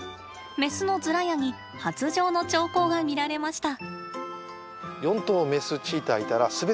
メスのズラヤに発情の兆候が見られました。